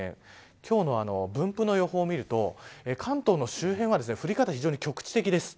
今日の分布の予報を見ると関東の周辺は降り方が非常に局地的です。